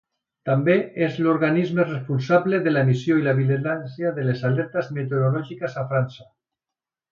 També és l'organisme responsable de l'emissió i la vigilància de les alertes meteorològiques a França.